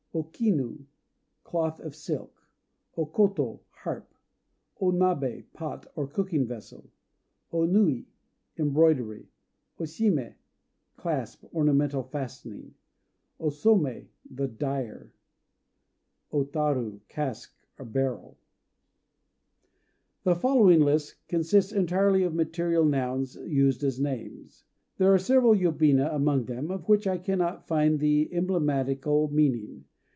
O Kinu "Cloth of Silk." O Koto "Harp." O Nabé "Pot," or cooking vessel. O Nui "Embroidery." O Shimé "Clasp," ornamental fastening. O Somé "The Dyer." O Taru "Cask," barrel. The following list consists entirely of material nouns used as names. There are several yobina among them of which I cannot find the emblematical meaning.